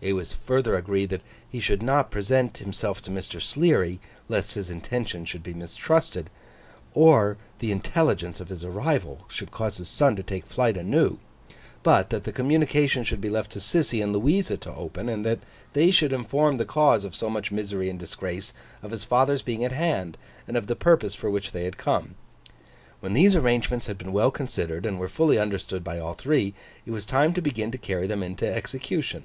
It was further agreed that he should not present himself to Mr. Sleary, lest his intentions should be mistrusted, or the intelligence of his arrival should cause his son to take flight anew; but, that the communication should be left to Sissy and Louisa to open; and that they should inform the cause of so much misery and disgrace, of his father's being at hand and of the purpose for which they had come. When these arrangements had been well considered and were fully understood by all three, it was time to begin to carry them into execution.